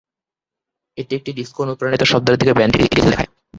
এটি একটি ডিস্কো-অনুপ্রাণিত শব্দের দিকে ব্যান্ডটিকে এগিয়ে যেতে দেখায়।